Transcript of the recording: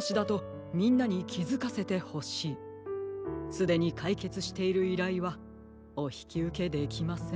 すでにかいけつしているいらいはおひきうけできません。